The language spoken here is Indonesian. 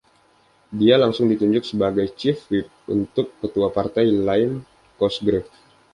Dia langsung ditunjuk sebagai Chief Whip oleh ketua partai, Liam Cosgrave.